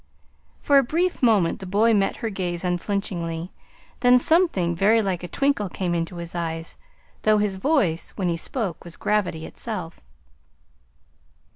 For a brief moment the boy met her gaze unflinchingly; then something very like a twinkle came into his eyes, though his voice, when he spoke, was gravity itself.